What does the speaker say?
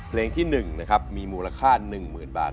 เพลงที่หนึ่งนะครับมีมูลค่าหนึ่งหมื่นบาท